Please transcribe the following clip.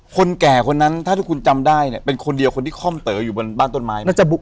คนแก่คนนั้นถ้าที่คุณจำได้เนี่ยเป็นคนเดียวคนที่ค่อมเต๋ออยู่บนบ้านต้นไม้เนี่ย